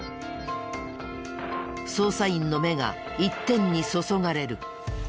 捜査員の目が一点に注がれる。